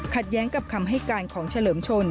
แย้งกับคำให้การของเฉลิมชน